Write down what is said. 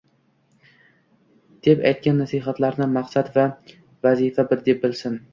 – deb aytgan nasihatlarini maqsad va vazifa deb bilsin.